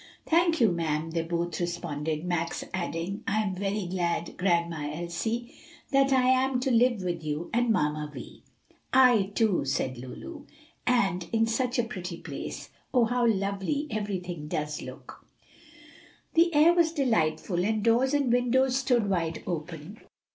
"Thank you, ma'am," they both responded, Max adding, "I am very glad, Grandma Elsie, that I am to live with you and Mamma Vi." "I, too," said Lulu; "and in such a pretty place. Oh, how lovely everything does look!" The air was delightful, and doors and windows stood wide open.